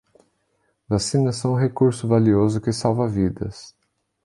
Vacinas são um recurso valioso que salva vidas